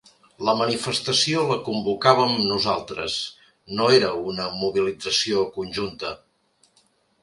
La manifestació la convocàvem nosaltres, no era una mobilització conjunta.